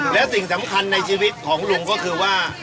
และสิ่งสำคัญในชีวิตของลุงก็คือว่า